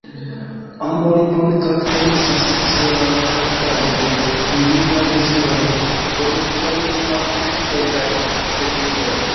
Ambaŭ librojn karakterizas "sincera traktado de dumvivaj deziroj, voluptoj, malkontentiĝoj kaj perfidoj.